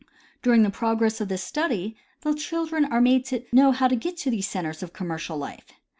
During the progress of this study the children are made to know how to get to these centers of commercial life.